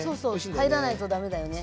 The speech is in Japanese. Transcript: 入らないと駄目だよね。